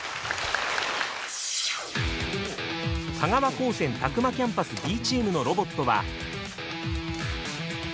香川高専詫間キャンパスＢチームのロボットは。